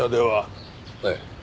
ええ。